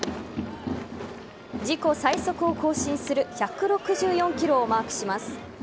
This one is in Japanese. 自己最速を更新する１６４キロをマークします。